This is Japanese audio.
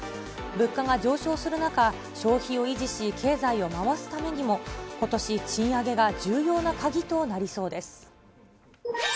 物価が上昇する中、消費を維持し、経済を回すためにも、ことし賃上げが重要な鍵となりそうです。